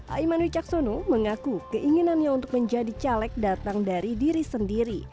aiman wicaksono mengaku keinginannya untuk menjadi caleg datang dari diri sendiri